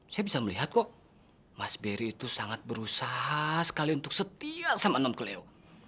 saya bisa melihat kok mas beri itu sangat berusaha sekali untuk setia sama enam keleo